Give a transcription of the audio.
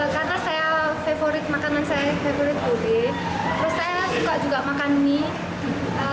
karena makanan saya favorit budi terus saya juga suka makan mie